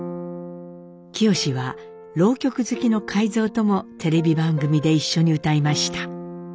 清は浪曲好きの海蔵ともテレビ番組で一緒に歌いました。